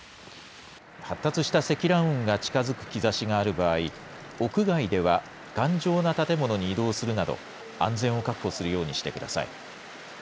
発達した積乱雲が近づく兆しがある場合、屋外では頑丈な建物に移動するなど、安全を確保するようにしてください。